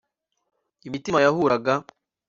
imitima yahuraga